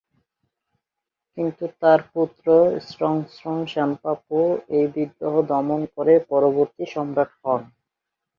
কিন্তু তাঁর পুত্র স্রোং-ব্ত্সন-স্গাম-পো এই বিদ্রোহ দমন করে পরবর্তী সম্রাট হন।